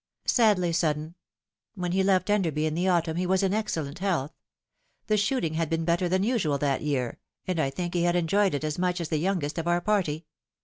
" Sadly sudden. When he left Enderby in the autumn he was in excellent health. The shooting had been better than usual that year, and I think he had enjoyed it as much as the youngest of our party.